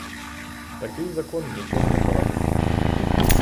Такий закон, нічого не порадиш.